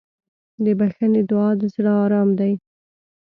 د بښنې دعا د زړه ارام دی.